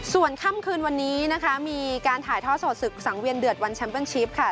ส่วนค่ำคืนวันนี้นะคะมีการถ่ายท่อสดศึกสังเวียนเดือดวันแชมเปิ้ชิปค่ะ